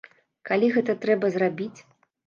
Калі гэта трэба зрабіць?